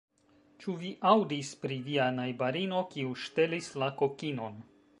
Ĉu vi aŭdis pri via najbarino kiu ŝtelis la kokinon?